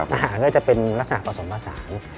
อาหารก็จะเป็นลักษณะผสมผสาน